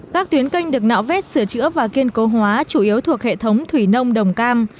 các tuyến kênh được nạo vét sửa chữa và kiên cố hóa chủ yếu thuộc hệ thống thủy nông đồng cam